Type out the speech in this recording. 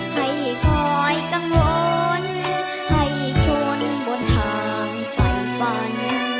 ให้คอยกังวลให้ชนบนทางไฟฝัน